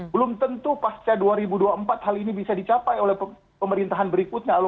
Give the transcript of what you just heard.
belum tentu pasca dua ribu dua puluh empat hal ini bisa dicapai oleh pemerintahan berikutnya